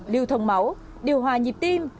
liêu thông máu điều hòa nhịp tim